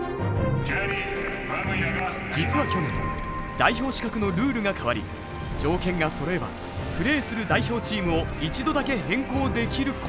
実は去年代表資格のルールが変わり条件がそろえばプレーする代表チームを一度だけ変更できることに。